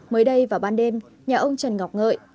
mới đây vào ban đêm nhà ông trần ngọc ngợi